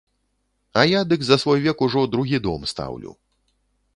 А я дык за свой век ужо другі дом стаўлю.